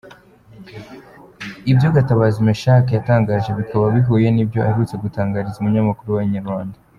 Ibyo Gatabazi Mechack yatangaje bikaba bihuye n’ibyo aherutse gutangariza umunyamakuru wa Inyarwanda.